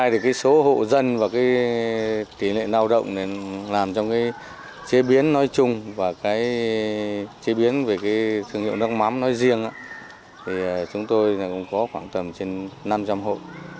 tỉ lệ lao động làm trong chế biến nói chung và chế biến về thương hiệu nước mắm nói riêng chúng tôi cũng có khoảng tầm trên năm trăm linh hộ